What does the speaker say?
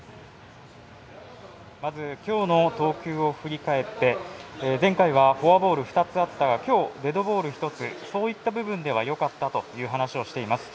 まず今日の投球を振り返って前回はフォアボール２つあったが今日、デッドボール１つそういった部分ではよかったという話をしています。